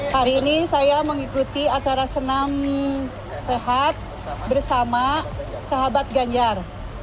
hari ini saya mengikuti acara senam sehat bersama sahabat ganjar